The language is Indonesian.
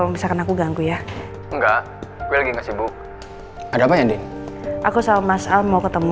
ini hari pertama kali parametervu